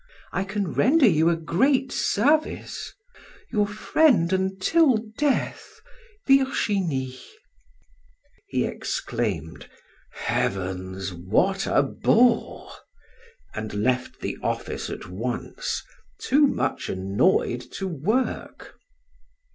I can render you a great service; your friend until death," "VIRGINIE." He exclaimed: "Heavens! what a bore!" and left the office at once, too much annoyed to work.